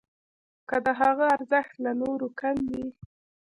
که د هغه ارزښت له نورو کم وي.